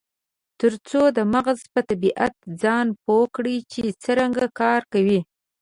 ترڅو د مغز په طبیعت ځان پوه کړي چې څرنګه کار کوي.